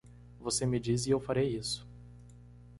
Você me diz e eu farei isso.